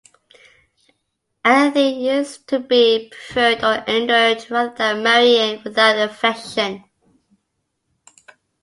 Anything is to be preferred or endured rather than marrying without Affection.